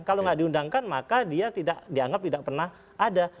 kalau tidak diundangkan maka dia dianggap tidak pernah ada